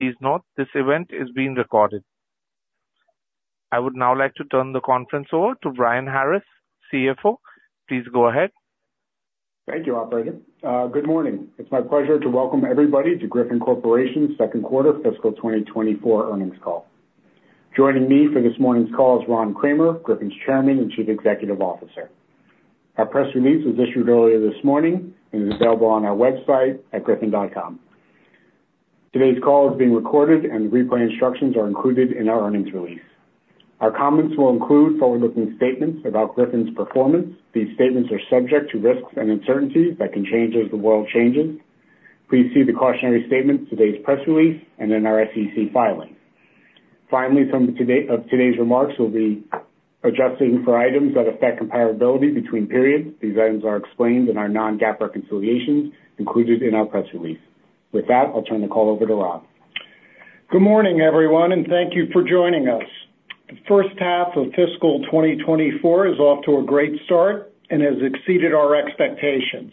Please note, this event is being recorded. I would now like to turn the conference over to Brian Harris, CFO. Please go ahead. Thank you, operator. Good morning. It's my pleasure to welcome everybody to Griffon Corporation's Q2 fiscal 2024 earnings call. Joining me for this morning's call is Ron Kramer, Griffon's Chairman and Chief Executive Officer. Our press release was issued earlier this morning and is available on our website at griffon.com. Today's call is being recorded, and replay instructions are included in our earnings release. Our comments will include forward-looking statements about Griffon's performance. These statements are subject to risks and uncertainties that can change as the world changes. Please see the cautionary statement in today's press release and in our SEC filing. Finally, some of today's remarks will be adjusting for items that affect comparability between periods. These items are explained in our non-GAAP reconciliations, included in our press release. With that, I'll turn the call over to Ron. Good morning, everyone, and thank you for joining us. The first half of fiscal 2024 is off to a great start and has exceeded our expectations.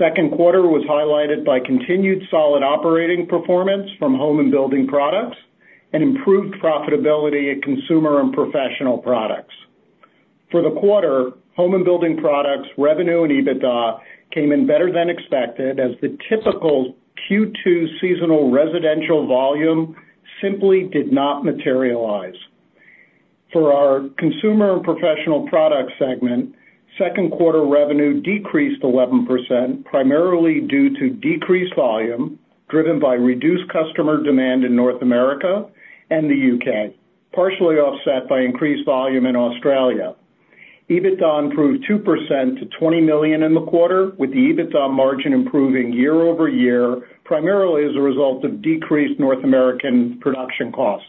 Q2 was highlighted by continued solid operating performance from Home and Building products, and improved profitability at Consumer and Professional Products. For the quarter, Home and Building products, revenue and EBITDA came in better than expected, as the typical Q2 seasonal residential volume simply did not materialize. For our Consumer and Professional Product segment, Q2 revenue decreased 11%, primarily due to decreased volume, driven by reduced customer demand in North America and the UK, partially offset by increased volume in Australia. EBITDA improved 2% to $20 million in the quarter, with the EBITDA margin improving year-over-year, primarily as a result of decreased North American production costs.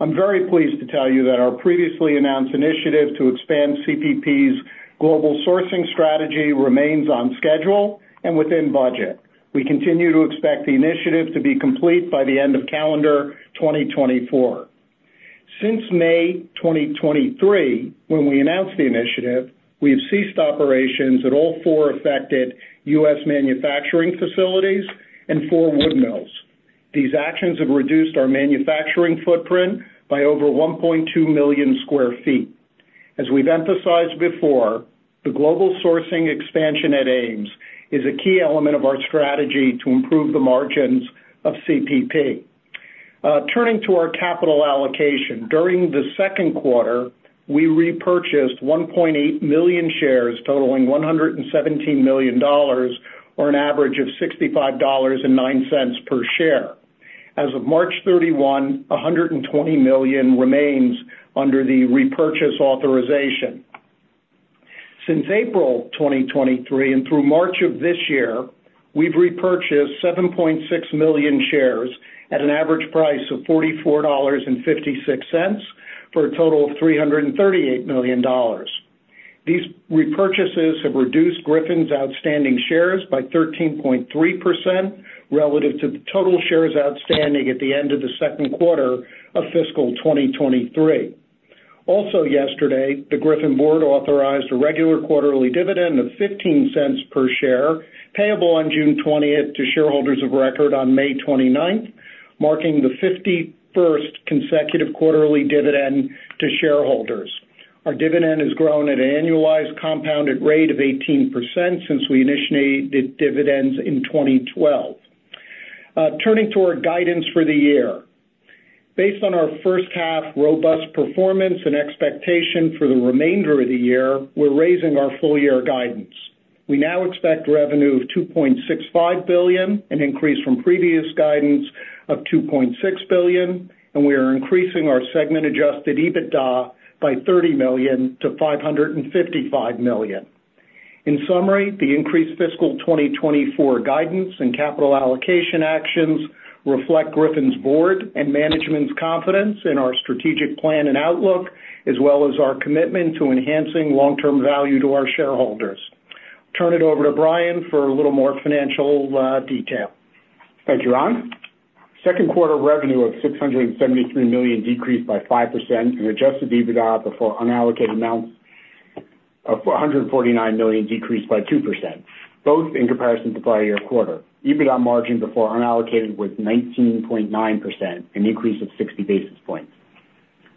I'm very pleased to tell you that our previously announced initiative to expand CPP's global sourcing strategy remains on schedule and within budget. We continue to expect the initiative to be complete by the end of calendar 2024. Since May 2023, when we announced the initiative, we have ceased operations at all four affected US manufacturing facilities and four wood mills. These actions have reduced our manufacturing footprint by over 1.2 million sq ft. As we've emphasized before, the global sourcing expansion at Ames is a key element of our strategy to improve the margins of CPP. Turning to our capital allocation. During the Q2, we repurchased 1.8 million shares, totaling $117 million, or an average of $65.09 per share. As of March 31, $120 million remains under the repurchase authorization. Since April 2023 and through March of this year, we've repurchased 7.6 million shares at an average price of $44.56, for a total of $338 million. These repurchases have reduced Griffon's outstanding shares by 13.3%, relative to the total shares outstanding at the end of the Q2 of fiscal 2023. Also yesterday, the Griffon board authorized a regular quarterly dividend of $0.15 per share, payable on June 20th, to shareholders of record on May 29th, marking the 51st consecutive quarterly dividend to shareholders. Our dividend has grown at an annualized compounded rate of 18% since we initiated the dividends in 2012. Turning to our guidance for the year. Based on our first half robust performance and expectation for the remainder of the year, we're raising our full year guidance. We now expect revenue of $2.65 billion, an increase from previous guidance of $2.6 billion, and we are increasing our segment-adjusted EBITDA by $30 million to $555 million. In summary, the increased fiscal 2024 guidance and capital allocation actions reflect Griffon’s board and management’s confidence in our strategic plan and outlook, as well as our commitment to enhancing long-term value to our shareholders. Turn it over to Brian for a little more financial detail. Thank you, Ron. Q2 revenue of $673 million decreased by 5%, and adjusted EBITDA before unallocated amounts of $149 million decreased by 2%, both in comparison to prior-year quarter. EBITDA margin before unallocated was 19.9%, an increase of 60 basis points.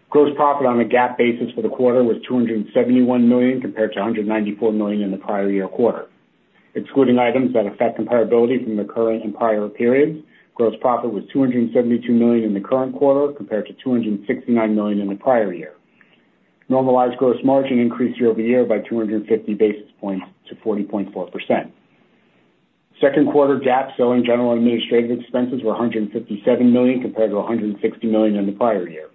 Gross profit on a GAAP basis for the quarter was $271 million, compared to $194 million in the prior-year quarter. Excluding items that affect comparability from the current and prior periods, gross profit was $272 million in the current quarter, compared to $269 million in the prior year. Normalized gross margin increased year-over-year by 250 basis points to 40.4%. Q2 GAAP Selling, General, and Administrative expenses were $157 million, compared to $160 million in the prior year.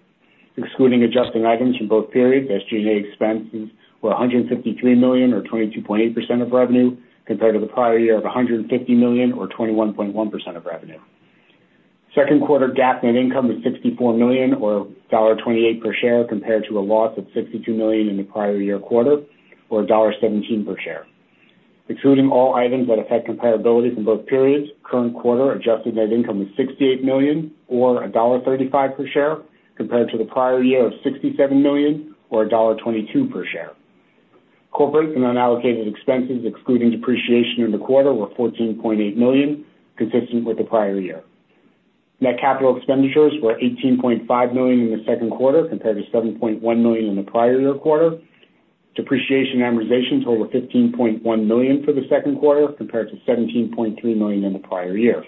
Excluding adjusting items from both periods, SG&A expenses were $153 million or 22.8% of revenue, compared to the prior year of $150 million or 21.1% of revenue. Q2 GAAP net income was $64 million or $1.28 per share, compared to a loss of $62 million in the prior year quarter or $1.17 per share. Excluding all items that affect comparability from both periods, current quarter adjusted net income was $68 million or $1.35 per share, compared to the prior year of $67 million or $1.22 per share.... Corporate and unallocated expenses, excluding depreciation in the quarter, were $14.8 million, consistent with the prior year. Net capital expenditures were $18.5 million in the Q2, compared to $7.1 million in the prior year quarter. Depreciation and amortization total were $15.1 million for the Q2, compared to $17.3 million in the prior year.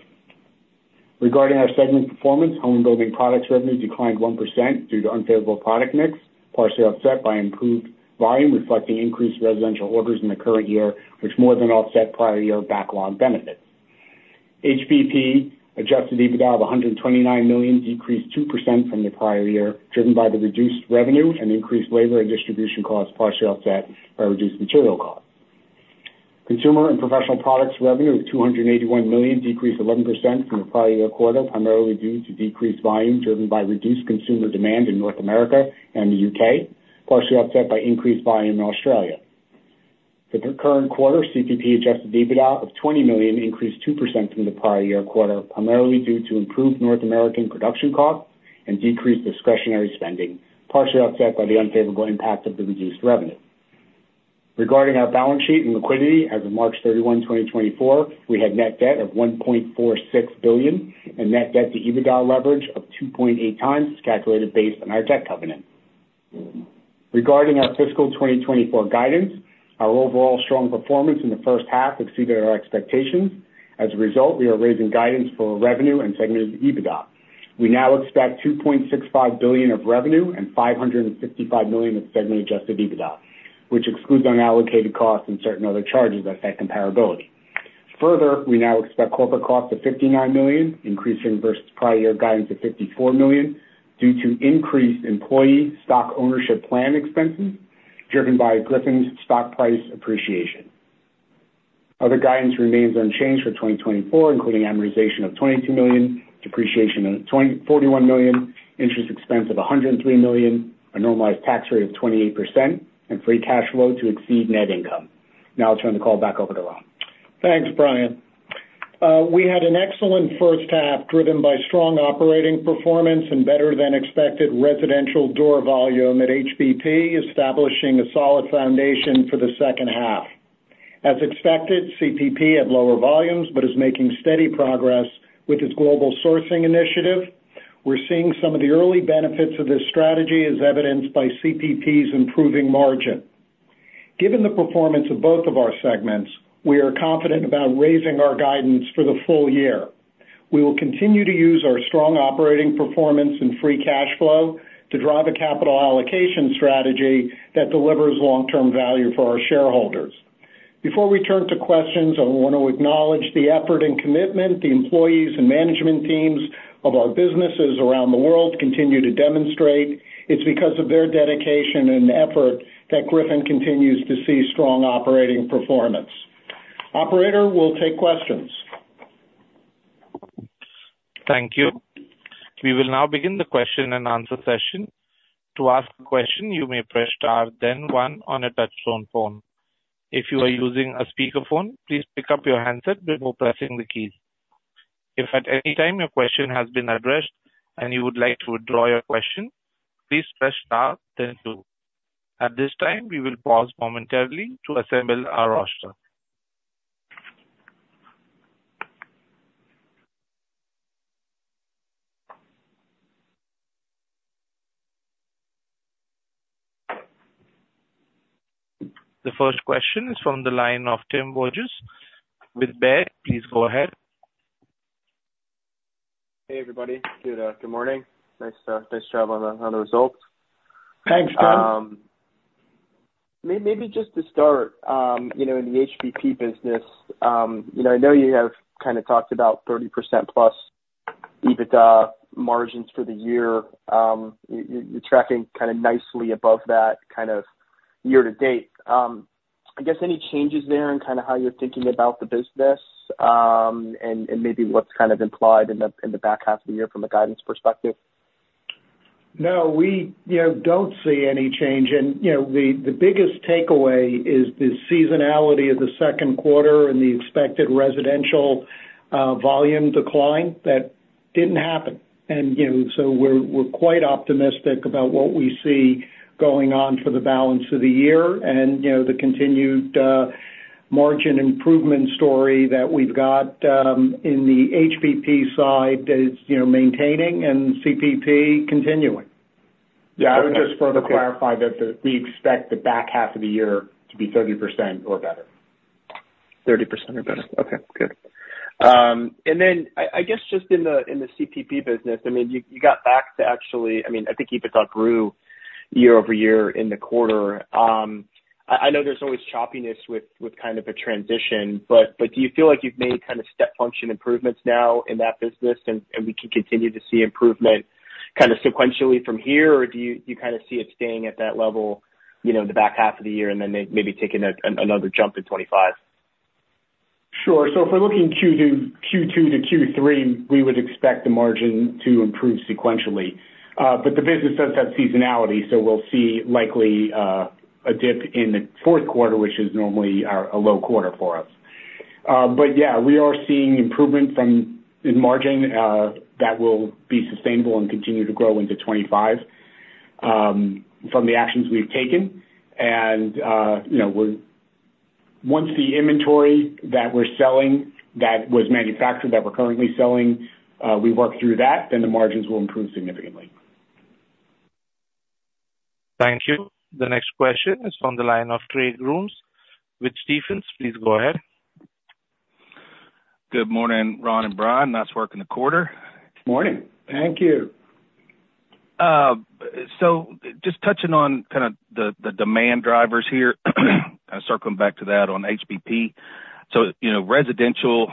Regarding our segment performance, Home and Building Products revenue declined 1% due to unfavorable product mix, partially offset by improved volume, reflecting increased residential orders in the current year, which more than offset prior year backlog benefit. HBP Adjusted EBITDA of $129 million decreased 2% from the prior year, driven by the reduced revenue and increased labor and distribution costs, partially offset by reduced material costs. Consumer and Professional Products revenue of $281 million decreased 11% from the prior year quarter, primarily due to decreased volume, driven by reduced consumer demand in North America and the UK, partially offset by increased volume in Australia. For the current quarter, CPP adjusted EBITDA of $20 million increased 2% from the prior year quarter, primarily due to improved North American production costs and decreased discretionary spending, partially offset by the unfavorable impact of the reduced revenue. Regarding our balance sheet and liquidity, as of March 31, 2024, we had net debt of $1.46 billion and net debt to EBITDA leverage of 2.8 times, calculated based on our debt covenant. Regarding our fiscal 2024 guidance, our overall strong performance in the first half exceeded our expectations. As a result, we are raising guidance for revenue and segment EBITDA. We now expect $2.65 billion of revenue and $555 million of segment adjusted EBITDA, which excludes unallocated costs and certain other charges that affect comparability. Further, we now expect corporate costs of $59 million, increasing versus prior year guidance of $54 million, due to increased employee stock ownership plan expenses, driven by Griffon's stock price appreciation. Other guidance remains unchanged for 2024, including amortization of $22 million, depreciation of $24.1 million, interest expense of $103 million, a normalized tax rate of 28%, and free cash flow to exceed net income. Now I'll turn the call back over to Ron. Thanks, Brian. We had an excellent first half, driven by strong operating performance and better than expected residential door volume at HBP, establishing a solid foundation for the second half. As expected, CPP had lower volumes, but is making steady progress with its global sourcing initiative. We're seeing some of the early benefits of this strategy, as evidenced by CPP's improving margin. Given the performance of both of our segments, we are confident about raising our guidance for the full year. We will continue to use our strong operating performance and free cash flow to drive a capital allocation strategy that delivers long-term value for our shareholders. Before we turn to questions, I want to acknowledge the effort and commitment the employees and management teams of our businesses around the world continue to demonstrate. It's because of their dedication and effort that Griffon continues to see strong operating performance. Operator, we'll take questions. Thank you. We will now begin the question-and-answer session. To ask a question, you may press star, then one on a touchtone phone. If you are using a speakerphone, please pick up your handset before pressing the keys. If at any time your question has been addressed and you would like to withdraw your question, please press star then two. At this time, we will pause momentarily to assemble our roster. The first question is from the line of Tim Wojs with Baird. Please go ahead. Hey, everybody. Good morning. Nice job on the results. Thanks, Tim. Maybe just to start, you know, in the HBP business, you know, I know you have kind of talked about 30%+ EBITDA margins for the year. You're tracking kind of nicely above that kind of year to date. I guess, any changes there in kind of how you're thinking about the business, and maybe what's kind of implied in the back half of the year from a guidance perspective? No, we, you know, don't see any change. And, you know, the biggest takeaway is the seasonality of the Q2 and the expected residential volume decline that didn't happen. And, you know, so we're quite optimistic about what we see going on for the balance of the year. And, you know, the continued margin improvement story that we've got in the HBP side is, you know, maintaining and CPP continuing. Yeah, I would just further clarify that we expect the back half of the year to be 30% or better. 30% or better. Okay, good. And then I guess just in the CPP business, I mean, you got back to actually. I mean, I think EBITDA grew year-over-year in the quarter. I know there's always choppiness with kind of a transition, but do you feel like you've made kind of step function improvements now in that business, and we can continue to see improvement kind of sequentially from here? Or do you kind of see it staying at that level, you know, in the back half of the year, and then maybe taking another jump in 2025? Sure. So if we're looking Q2 to Q3, we would expect the margin to improve sequentially. But the business does have seasonality, so we'll see likely a dip in the Q4, which is normally our low quarter for us. But yeah, we are seeing improvement in margin that will be sustainable and continue to grow into 25 from the actions we've taken. And you know, once the inventory that we're selling, that was manufactured, that we're currently selling, we work through that, then the margins will improve significantly. Thank you. The next question is on the line of Trey Grooms with Stephens. Please go ahead. Good morning, Ron and Brian. Nice working the quarter. Good morning. Thank you. So just touching on kind of the demand drivers here, circling back to that on HBP. So, you know, residential,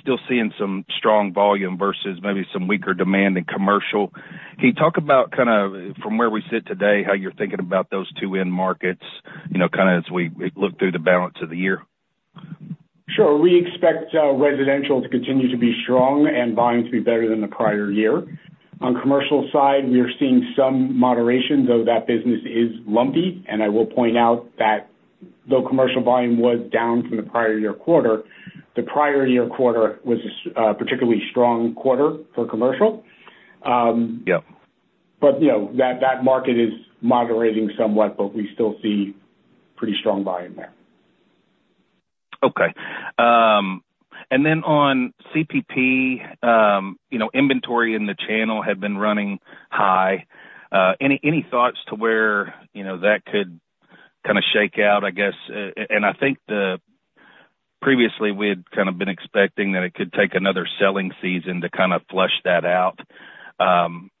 still seeing some strong volume versus maybe some weaker demand in commercial. Can you talk about kind of, from where we sit today, how you're thinking about those two end markets, you know, kind of as we look through the balance of the year? Sure. We expect, residential to continue to be strong and volume to be better than the prior year. On commercial side, we are seeing some moderation, though that business is lumpy, and I will point out that though commercial volume was down from the prior year quarter, the prior year quarter was a particularly strong quarter for commercial. Yep. But, you know, that, that market is moderating somewhat, but we still see pretty strong volume there. Okay. And then on CPP, you know, inventory in the channel had been running high. Any thoughts to where, you know, that could kind of shake out, I guess? And I think the previously, we had kind of been expecting that it could take another selling season to kind of flush that out.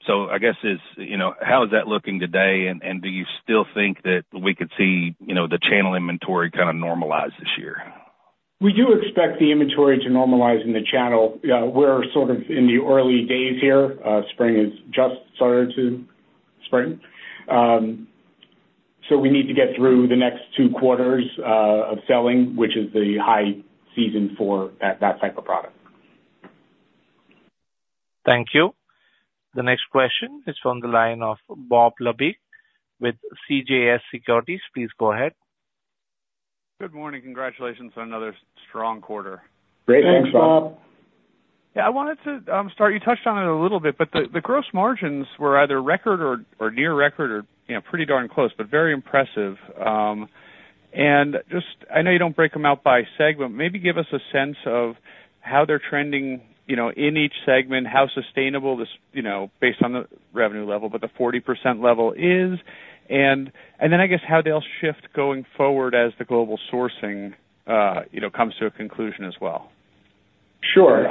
So I guess it's, you know, how is that looking today, and do you still think that we could see, you know, the channel inventory kind of normalize this year? We do expect the inventory to normalize in the channel. Yeah, we're sort of in the early days here. Spring has just started to spring. So we need to get through the next two quarters, of selling, which is the high season for that, that type of product. Thank you. The next question is from the line of Bob Labick with CJS Securities. Please go ahead. Good morning. Congratulations on another strong quarter. Great. Thanks, Bob. Yeah, I wanted to start, you touched on it a little bit, but the, the gross margins were either record or, or near record or, you know, pretty darn close, but very impressive. And just I know you don't break them out by segment. Maybe give us a sense of how they're trending, you know, in each segment, how sustainable this, you know, based on the revenue level, but the 40% level is, and, and then I guess, how they'll shift going forward as the global sourcing, you know, comes to a conclusion as well. Sure.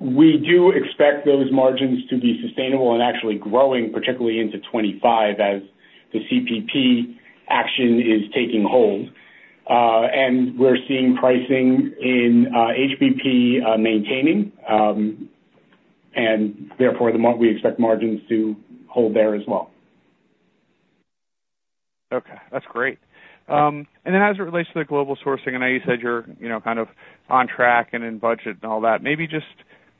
We do expect those margins to be sustainable and actually growing, particularly into 2025, as the CPP action is taking hold. And we're seeing pricing in HBP maintaining, and therefore, we expect margins to hold there as well. Okay. That's great. And then as it relates to the global sourcing, I know you said you're, you know, kind of on track and in budget and all that. Maybe just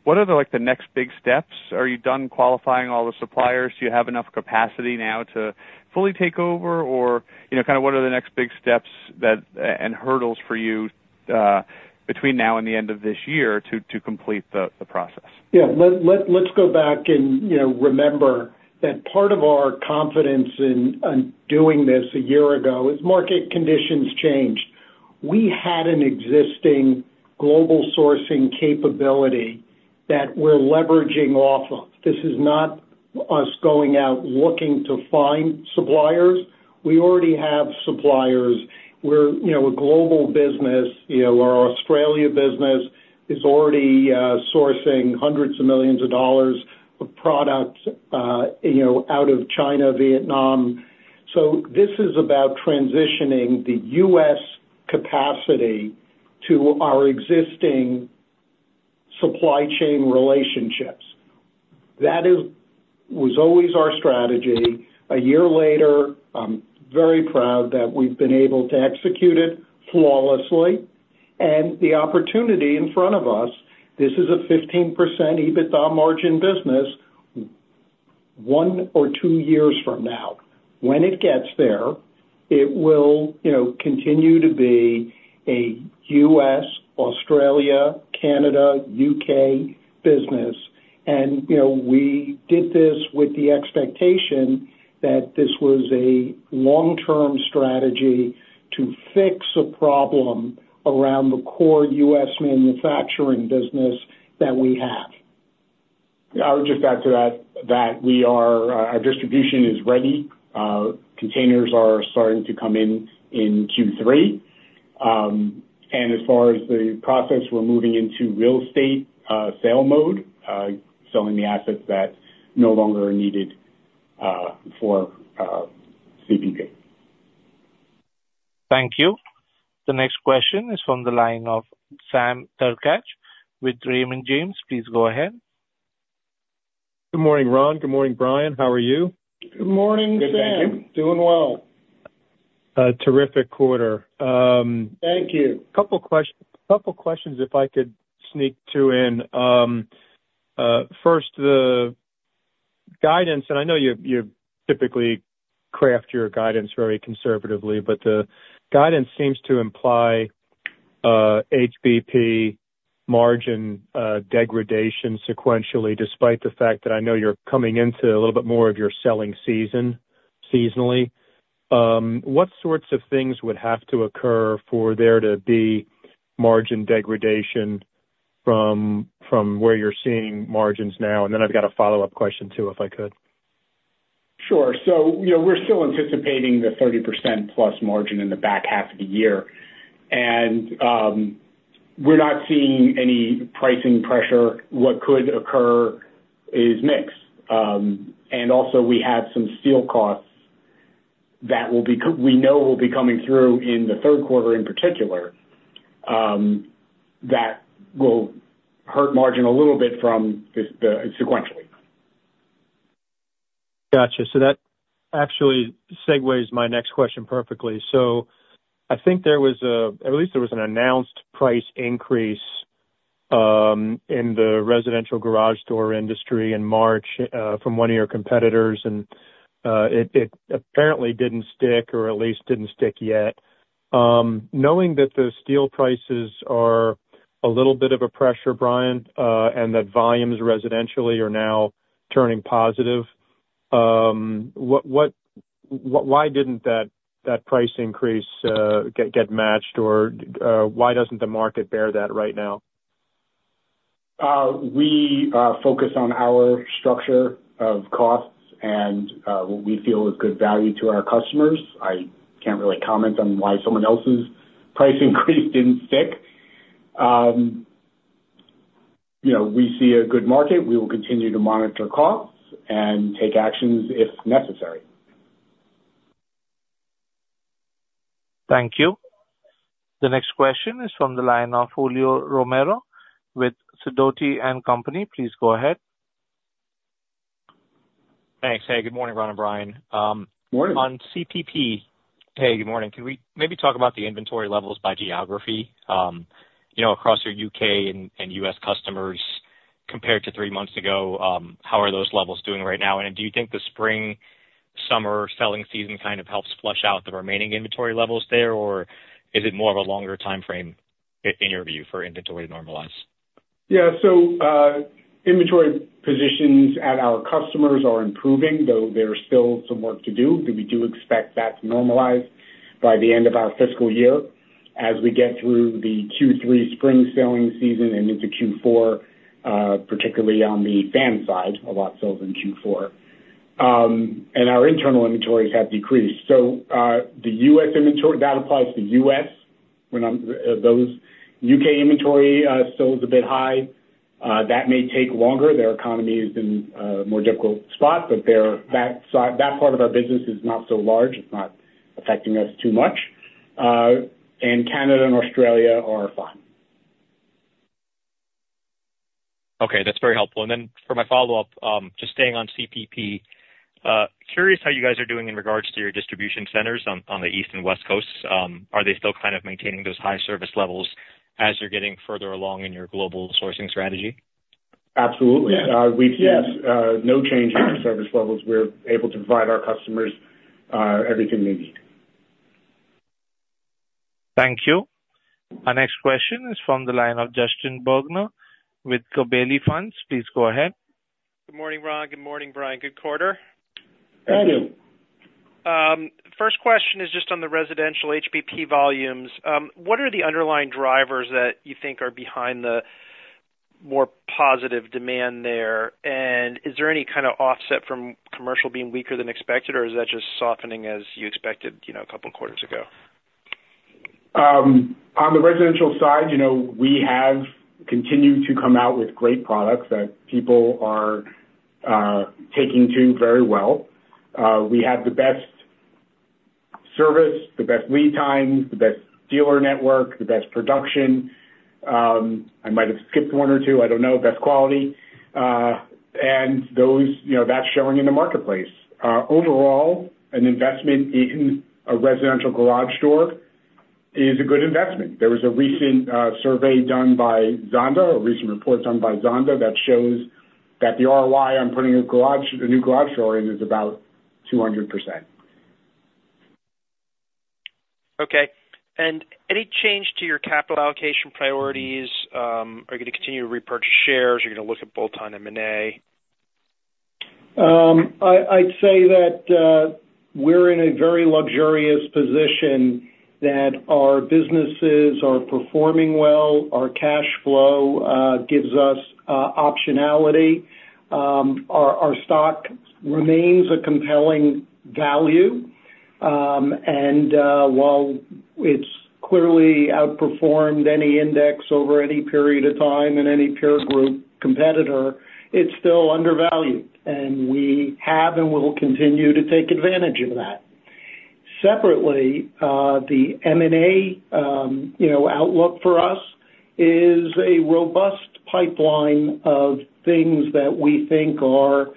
what are the, like, the next big steps? Are you done qualifying all the suppliers? Do you have enough capacity now to fully take over? Or, you know, kind of what are the next big steps that, and hurdles for you between now and the end of this year to complete the process? Yeah. Let's go back and, you know, remember that part of our confidence in doing this a year ago is market conditions changed. We had an existing global sourcing capability that we're leveraging off of. This is not us going out, looking to find suppliers. We already have suppliers. We're, you know, a global business. You know, our Australia business is already sourcing $hundreds of millions of product, you know, out of China, Vietnam. So this is about transitioning the US capacity to our existing supply chain relationships. That was always our strategy. A year later, I'm very proud that we've been able to execute it flawlessly, and the opportunity in front of us, this is a 15% EBITDA margin business. One or two years from now, when it gets there, it will, you know, continue to be a US, Australia, Canada, UK business. You know, we did this with the expectation that this was a long-term strategy to fix a problem around the core US manufacturing business that we have. Yeah, I would just add to that, that we are. Our distribution is ready. Containers are starting to come in in Q3. And as far as the process, we're moving into real estate sale mode, selling the assets that no longer are needed for CPP. Thank you. The next question is from the line of Sam Darkatsh with Raymond James. Please go ahead. Good morning, Ron. Good morning, Brian. How are you? Good morning, Sam. Good. Thank you. Doing well. Terrific quarter. Thank you. Couple questions, if I could sneak two in. First, the guidance, and I know you typically craft your guidance very conservatively, but the guidance seems to imply HBP margin degradation sequentially, despite the fact that I know you're coming into a little bit more of your selling season, seasonally. What sorts of things would have to occur for there to be margin degradation from where you're seeing margins now? And then I've got a follow-up question, too, if I could. Sure. So, you know, we're still anticipating the 30%+ margin in the back half of the year. And we're not seeing any pricing pressure. What could occur is mix. And also we have some steel costs that we know will be coming through in the Q3, in particular, that will hurt margin a little bit from just sequentially. Gotcha. So that actually segues my next question perfectly. So I think there was at least an announced price increase in the residential garage door industry in March from one of your competitors, and it apparently didn't stick, or at least didn't stick yet. Knowing that the steel prices are a little bit of a pressure, Brian, and that volumes residentially are now turning positive, why didn't that price increase get matched? Or why doesn't the market bear that right now? We focus on our structure of costs and what we feel is good value to our customers. I can't really comment on why someone else's price increase didn't stick. You know, we see a good market. We will continue to monitor costs and take actions, if necessary. Thank you. The next question is from the line of Julio Romero with Sidoti & Company. Please go ahead. Thanks. Hey, good morning, Ron and Brian. Morning. On CPP... Hey, good morning. Can we maybe talk about the inventory levels by geography? You know, across your UK and US customers, compared to three months ago, how are those levels doing right now? And do you think the spring/summer selling season kind of helps flush out the remaining inventory levels there, or is it more of a longer timeframe, in your view, for inventory to normalize? Yeah. So, inventory positions at our customers are improving, though there's still some work to do. We do expect that to normalize by the end of our fiscal year as we get through the Q3 spring selling season and into Q4, particularly on the fan side, a lot of sales in Q4. Our internal inventories have decreased. So, the US inventory, that applies to US, when those UK inventory still is a bit high. That may take longer. Their economy is in a more difficult spot, but their, that side, that part of our business is not so large. It's not affecting us too much. Canada and Australia are fine. Okay, that's very helpful. And then for my follow-up, just staying on CPP, curious how you guys are doing in regards to your distribution centers on the East and West Coasts. Are they still kind of maintaining those high service levels as you're getting further along in your global sourcing strategy? Absolutely. Yes. We've seen no change in our service levels. We're able to provide our customers everything they need. Thank you. Our next question is from the line of Justin Bergner with Gabelli Funds. Please go ahead. Good morning, Ron. Good morning, Brian. Good quarter. Thank you. Thank you. First question is just on the residential HBP volumes. What are the underlying drivers that you think are behind the more positive demand there? And is there any kind of offset from commercial being weaker than expected, or is that just softening as you expected, you know, a couple quarters ago? On the residential side, you know, we have continued to come out with great products that people are taking to very well. We have the best service, the best lead times, the best dealer network, the best production. I might have skipped one or two, I don't know. Best quality. And those... You know, that's showing in the marketplace. Overall, an investment in a residential garage door is a good investment. There was a recent survey done by Zonda, a recent report done by Zonda, that shows that the ROI on putting a garage, a new garage door in, is about 200%. Okay. Any change to your capital allocation priorities? Are you gonna continue to repurchase shares? Are you gonna look at bolt-on M&A? I'd say that we're in a very luxurious position that our businesses are performing well, our cash flow gives us optionality. Our stock remains a compelling value. And while it's clearly outperformed any index over any period of time and any peer group competitor, it's still undervalued, and we have and will continue to take advantage of that. Separately, the M&A you know outlook for us is a robust pipeline of things that we think are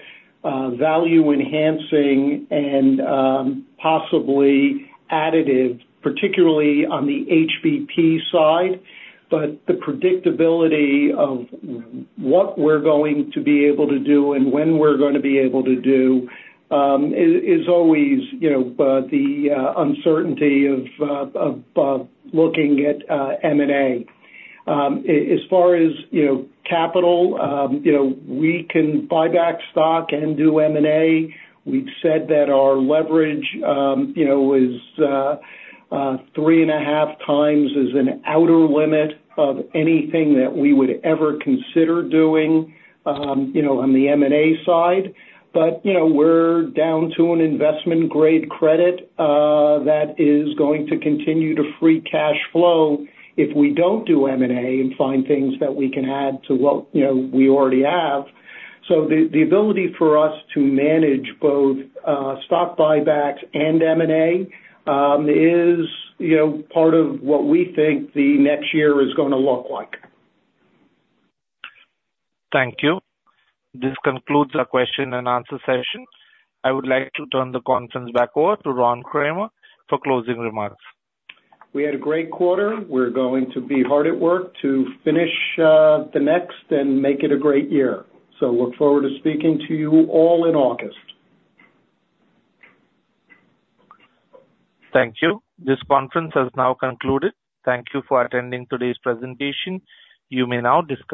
value enhancing and possibly additive, particularly on the HBP side. But the predictability of what we're going to be able to do and when we're gonna be able to do is always you know the uncertainty of looking at M&A. As far as, you know, capital, you know, we can buy back stock and do M&A. We've said that our leverage, you know, is 3.5 times is an outer limit of anything that we would ever consider doing, you know, on the M&A side. But, you know, we're down to an investment-grade credit that is going to continue to free cash flow if we don't do M&A and find things that we can add to what, you know, we already have. So the ability for us to manage both stock buybacks and M&A is, you know, part of what we think the next year is gonna look like. Thank you. This concludes our question and answer session. I would like to turn the conference back over to Ron Kramer for closing remarks. We had a great quarter. We're going to be hard at work to finish, the next and make it a great year. So look forward to speaking to you all in August. Thank you. This conference has now concluded. Thank you for attending today's presentation. You may now disconnect.